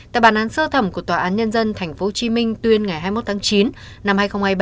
tại bản án sơ thẩm của tòa án nhân dân tp hcm tuyên ngày hai mươi một tháng chín năm hai nghìn hai mươi ba